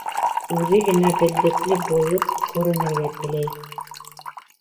Үҙе генә белдекле булып күренергә теләй.